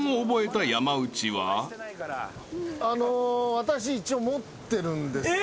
あの私一応持ってるんですよ。